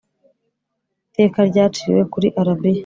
Iteka ryaciriwe kuri Arabiya.